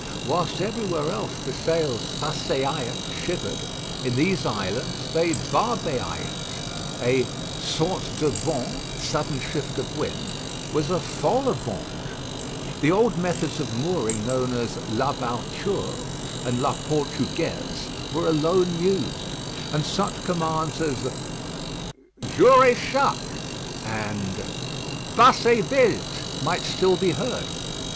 Whilst everywhere else the sails faseyaient (shivered), in these islands they barbeyaient. A saute de vent, sudden shift of wind, was a folle vente. The old methods of mooring known as la valture and la portugaise were alone used, and such commands as jour et chaque! and bosse et vilte! might still be heard.